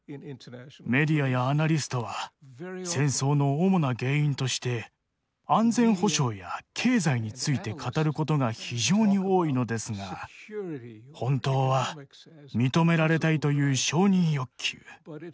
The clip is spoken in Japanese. メディアやアナリストは戦争の主な原因として安全保障や経済について語ることが非常に多いのですが本当は認められたいという承認欲求国家の威信が紛争の本当の原因なのです。